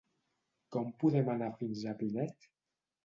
Com podem anar fins a Pinet?